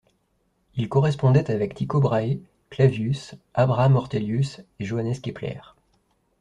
Il correspondait avec Tycho Brahe, Clavius, Abraham Ortelius et Johannes Kepler.